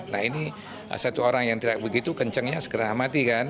nah ini satu orang yang tidak begitu kencangnya segera mati kan